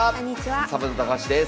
サバンナ高橋です。